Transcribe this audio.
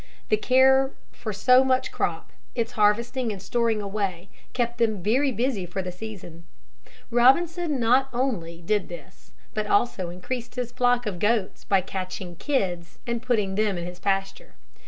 The care for so much crop, its harvesting and storing away, kept them very busy for the season. Robinson not only did this, but also increased his flock of goats by catching kids and putting them in his pasture.